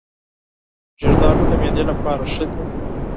زردالو د معدې لپاره مفید دی.